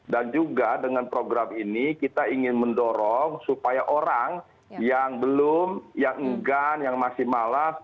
dan juga dengan program ini kita ingin mendorong supaya orang yang belum yang enggan yang masih malas